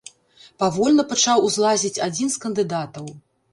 Павольна пачаў узлазіць адзін з кандыдатаў.